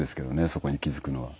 そこに気付くのは。